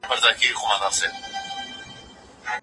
معاهده په لاهور کي لاسلیک شوه.